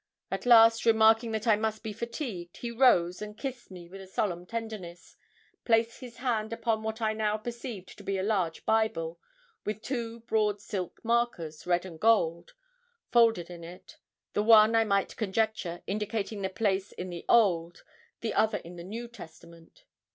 At last, remarking that I must be fatigued, he rose, and kissed me with a solemn tenderness, placed his hand upon what I now perceived to be a large Bible, with two broad silk markers, red and gold, folded in it the one, I might conjecture, indicating the place in the Old, the other in the New Testament.